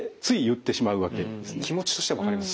気持ちとしては分かります。